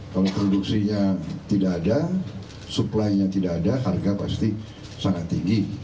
kalau produksinya tidak ada supply nya tidak ada harga pasti sangat tinggi